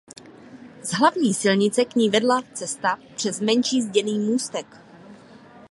Z hlavní silnice k ní vedla cesta přes menší zděný můstek.